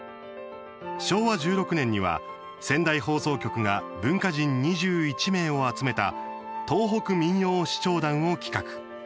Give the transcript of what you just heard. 昭和１６年には、仙台放送局が文化人２１名を集めた「東北民謡視聴団」を企画。